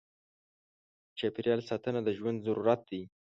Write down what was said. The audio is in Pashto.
چاپېریال ساتنه د ژوند ضرورت دی.